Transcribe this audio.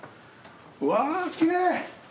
うわぁきれい！